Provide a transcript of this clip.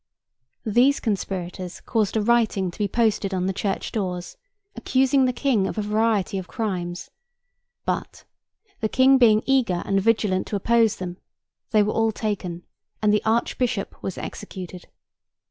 These conspirators caused a writing to be posted on the church doors, accusing the King of a variety of crimes; but, the King being eager and vigilant to oppose them, they were all taken, and the Archbishop was executed.